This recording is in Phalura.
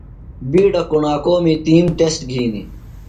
بِیڈہ کوݨاکومی تںِم ٹسٹ گِھینیۡ۔